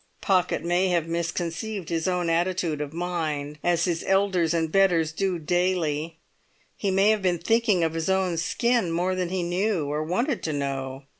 Pocket may have misconceived his own attitude of mind, as his elders and betters do daily; he may have been thinking of his own skin more than he knew, or wanted to know.